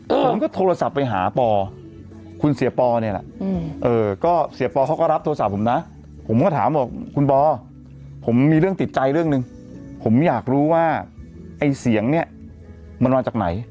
ผมก็โทรศัพท์ไปหาปอคุณเสียปอเนี่ยแหละก็เสียปอเขาก็รับโทรศัพท์ผมนะผมก็ถามบอกคุณปอผมมีเรื่องติดใจเรื่องหนึ่งผมอยากรู้ว่าไอ้เสียงเนี่ยมันมาจากไหน